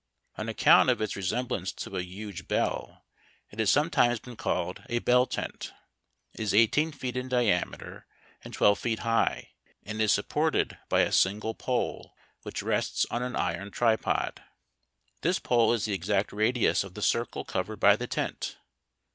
On account of its resemblance to a huge bell, it has sometimes been called a Bell Tent. It is eighteen feet in diameter and twelve feet high, and is supported by a single pole, which rests on an iron tripod. This pole is the exact radius of the circle covered by the tent.